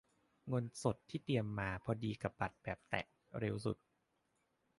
เงินสดที่เตรียมมาพอดีกับบัตรแบบแตะ เร็วสุด